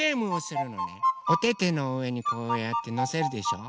おててのうえにこうやってのせるでしょ。